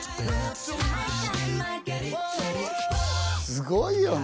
すごいよな。